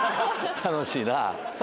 楽しいなあ。